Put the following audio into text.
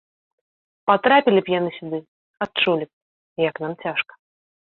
Патрапілі б яны сюды, адчулі б, як нам цяжка.